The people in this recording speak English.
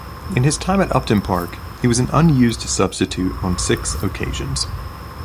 In his time at Upton Park he was an unused substitute on six occasions.